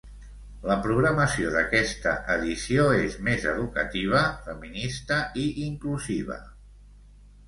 La programació d'aquesta edició és més educativa, feminista i inclusiva.